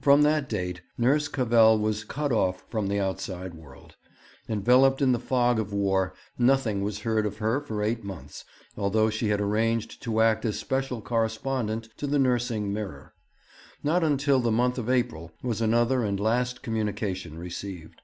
From that date Nurse Cavell was cut off from the outside world. Enveloped in the fog of war, nothing was heard of her for eight months, although she had arranged to act as special correspondent to the Nursing Mirror. Not until the month of April was another and last communication received.